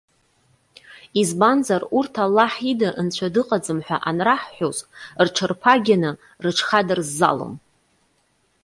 Избанзар урҭ Аллаҳ ида нцәа дыҟаӡам ҳәа анраҳҳәоз, рҽырԥагьаны рыҽхадырззалон.